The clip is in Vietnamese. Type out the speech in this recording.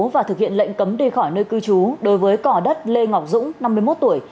và thực hiện lệnh cấm đi khỏi nơi cư trú đối với cỏ đất lê ngọc dũng năm mươi một tuổi